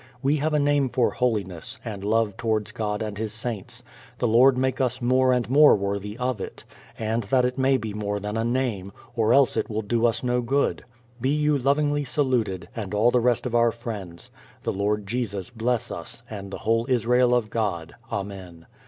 We have a name for holiness, and love towards God and his saints; the Lord make us more and more worthy of it, and that it may be more than a name, or else it will do us no good. Be you lovingly saluted, and all the rest of our friends. The Lord Jesus bless us, and the whole Israel of God. Amen.